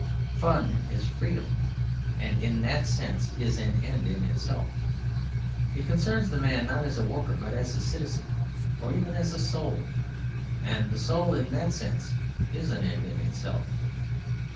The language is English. Fun is freedom; and in that sense is an end in itself. It concerns the man not as a worker but as a citizen, or even as a soul; and the soul in that sense is an end in itself.